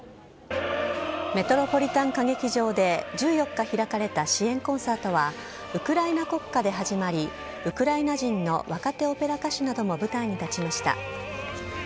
メトロポリタン歌劇場で１４日開かれた支援コンサートは、ウクライナ国歌で始まり、ウクライナ人の若手オペラ歌手なども舞台に立ちました。